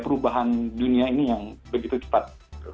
perubahan dunia ini yang begitu cepat